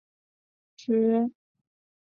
寡妇榧螺为榧螺科榧螺属下的一个种。